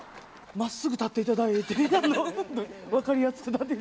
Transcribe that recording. まっすぐ立っていただいて分かりやすくなってて。